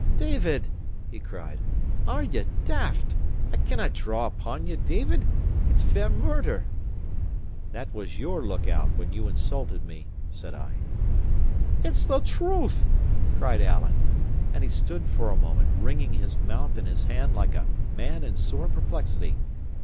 "David!" he cried. "Are ye daft? I cannae draw upon ye, David. It's fair murder." "That was your look out when you insulted me," said I. "It's the truth!" cried Alan, and he stood for a moment, wringing his mouth in his hand like a man in sore perplexity.